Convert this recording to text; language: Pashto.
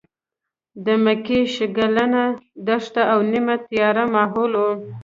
د مکې شګلنه دښته او نیمه تیاره ماحول و.